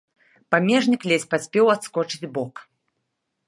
Памежнік ледзь паспеў адскочыць убок.